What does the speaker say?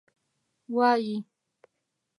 وایي.